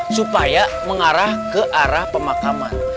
supaya mengarah ke arah pemakaman